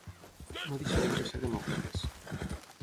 No deixarem de ser demòcrates.